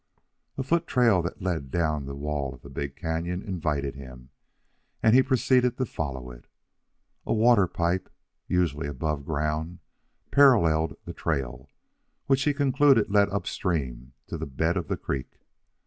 A foottrail that led down the wall of the big canyon invited him, and he proceeded to follow it. A water pipe, usually above ground, paralleled the trail, which he concluded led upstream to the bed of the creek.